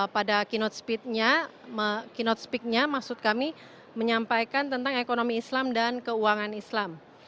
pada keynote speak nya maksud kami menyampaikan tentang ekonomi islam dan keuangan islam